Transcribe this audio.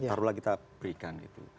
taruhlah kita berikan itu